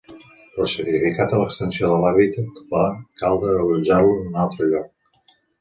Però sacrificat a l'extensió de l'hàbitat, va caldre allotjar-lo en un altre lloc.